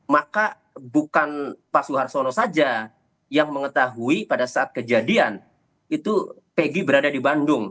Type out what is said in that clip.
maka bukan pak suhartono saja yang mengetahui pada saat kejadian itu pegg berada di bandung